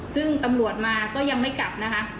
ซึ่งตำรวจมาก็ยังไม่กลับนะคะ